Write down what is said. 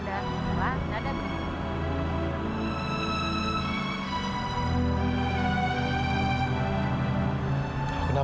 dengan pesan anda